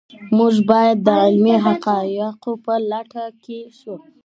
موږ باید د علمي حقایقو په لټه کې شو.